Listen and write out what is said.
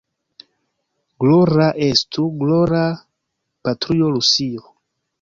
Glora estu, glora, patrujo Rusio!